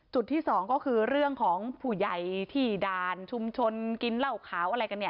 ที่สองก็คือเรื่องของผู้ใหญ่ที่ด่านชุมชนกินเหล้าขาวอะไรกันเนี่ย